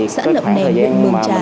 sẵn lập nền nguồn mương trà